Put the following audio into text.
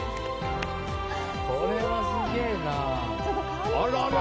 これはすげえな！